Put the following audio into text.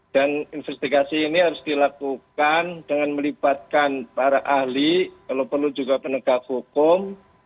dan investigasi ini harus dilakukan dengan melibatkan para ahli kalau perlu juga penegak hukum